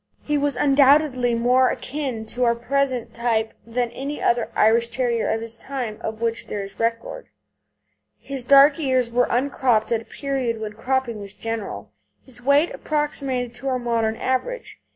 He was undoubtedly more akin to our present type than any other Irish Terrier of his time of which there is record. His dark ears were uncropped at a period when cropping was general; his weight approximated to our modern average.